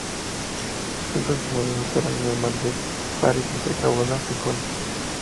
Cinco submarinos operaban en el Mar de Barents entre Cabo Norte y Kola.